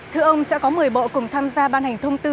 thưa ông sẽ có một mươi bộ cùng tham gia ban hành thông tư